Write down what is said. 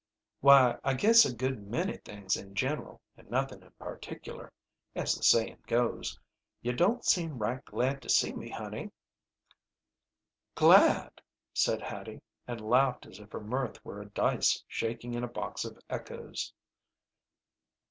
"Why, I guess a good many things in general and nothing in particular, as the sayin' goes. You don't seem right glad to see me, honey." "Glad!" said Hattie, and laughed as if her mirth were a dice shaking in a box of echoes.